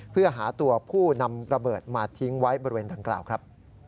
เพื่อหาตัวผู้นำระเบิดมาทิ้งไว้บริเวณดังกล่าวครับ